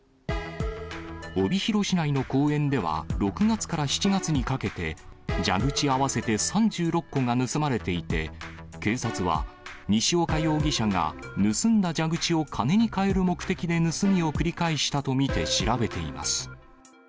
帯広市内の公園では、６月から７月にかけて、蛇口合わせて３６個が盗まれていて、警察は、西岡容疑者が、盗んだ蛇口を金に換える目的で盗みを繰り返したと見て調べています。